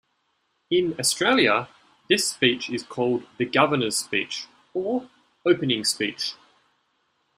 In Australia, this speech is called the "Governor's speech" or "opening speech".